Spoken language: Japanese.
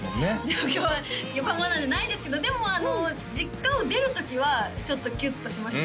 上京は横浜なんでないですけどでも実家を出る時はちょっとキュッとしました